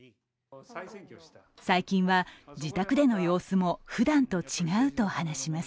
最近は自宅での様子もふだんと違うと話します。